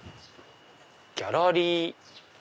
「ギャラリー」。